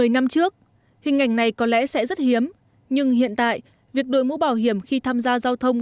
một mươi năm trước hình ảnh này có lẽ sẽ rất hiếm nhưng hiện tại việc đội mũ bảo hiểm khi tham gia giao thông